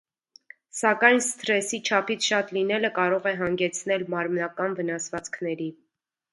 Սակայն սթրեսի չափից շատ լինելը կարող է հանգեցնել մարմնական վնասվածքների։